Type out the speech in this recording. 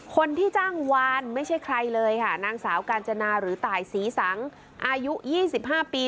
คนที่จ้างวานไม่ใช่ใครเลยค่ะนางสาวกาญจนาหรือตายศรีสังอายุ๒๕ปี